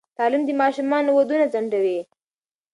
تعلیم د ماشومانو ودونه ځنډوي.